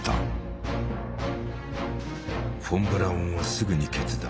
フォン・ブラウンはすぐに決断。